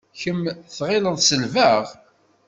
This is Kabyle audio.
Kemm tɣileḍ selbeɣ?